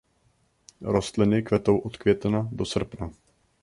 Rostliny kvetou od května do srpna.